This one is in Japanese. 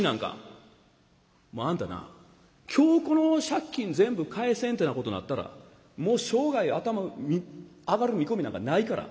もうあんたな今日この借金全部返せんってなことなったらもう生涯頭上がる見込みなんかないから。